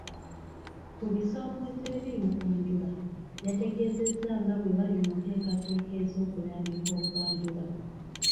Ku bisoomoozo ebiri mu kwanjula, yategeezezza nga bwe bali mu nteekateeka ez'okulambika okwanjula.